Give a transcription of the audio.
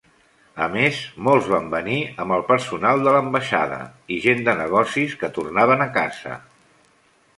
A més, molts van venir amb el personal de l'ambaixada i gent de negocis que tornaven a casa.